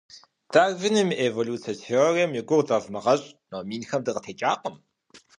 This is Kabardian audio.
Дарвин и эволюцэ теорием и гугъу дывмыгъэщӀ, номинхэм дакъытекӀакъым!